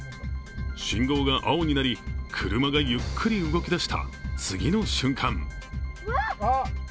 信号が青になり車がゆっくり動き出した次の瞬間